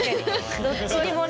どっちにもね。